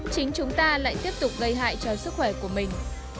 chính chúng ta lại tiếp tục gây hại cho sức khỏe của mình